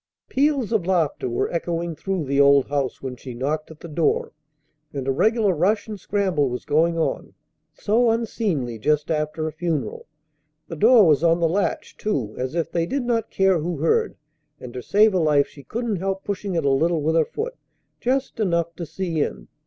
Peals of laughter were echoing through the old house when she knocked at the door, and a regular rush and scramble was going on, so unseemly just after a funeral! The door was on the latch, too, as if they did not care who heard; and to save her life she couldn't help pushing it a little with her foot, just enough to see in.